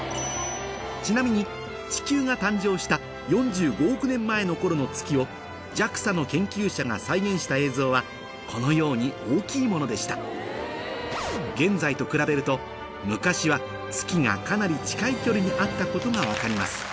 ちなみに地球が誕生した４５億年前の頃の月をＪＡＸＡの研究者が再現した映像はこのように大きいものでした現在と比べると昔は月がかなり近い距離にあったことが分かります